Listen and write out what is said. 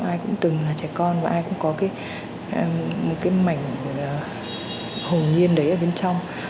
ai cũng từng là trẻ con và ai cũng có một cái mảnh hồn nhiên đấy ở bên trong